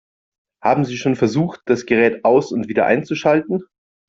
Haben Sie schon versucht, das Gerät aus- und wieder einzuschalten?